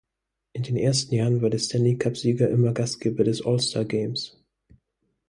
In den ersten Jahren war der Stanley-Cup-Sieger immer Gastgeber des All-Star-Games.